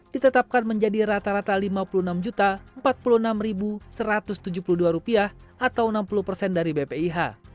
ditetapkan menjadi rata rata lima puluh enam empat puluh enam satu ratus tujuh puluh dua atau enam puluh persen dari bpih